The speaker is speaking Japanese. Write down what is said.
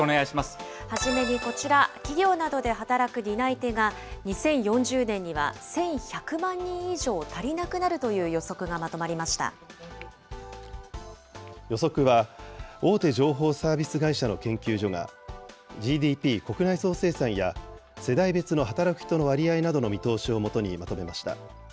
初めにこちら、企業などで働く担い手が、２０４０年には１１００万人以上足りなくなるという予測は、大手情報サービス会社の研究所が、ＧＤＰ・国内総生産や、世代別の働く人の割合などの見通しをもとにまとめました。